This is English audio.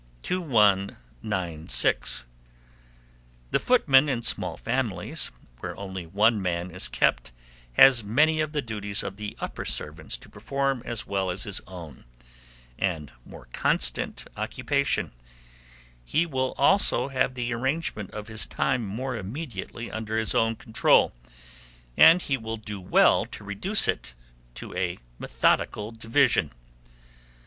2196. The footman in small families, where only one man is kept, has many of the duties of the upper servants to perform as well as his own, and more constant occupation; he will also have the arrangement of his time more immediately under his own control, and he will do well to reduce it to a methodical division.